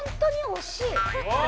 惜しい！